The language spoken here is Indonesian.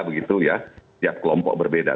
begitu ya tiap kelompok berbeda